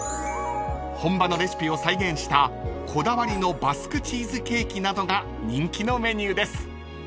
［本場のレシピを再現したこだわりのバスクチーズケーキなどが人気のメニューです］